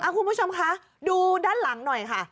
คุณผู้ชมคะดูด้านหลังหน่อยค่ะ